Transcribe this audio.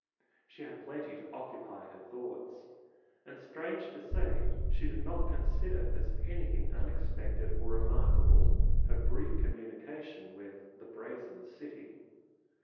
She had plenty to occupy her thoughts and strange to say she did not consider as anything unexpected or remarkable, her brief communication with the "Brazen City."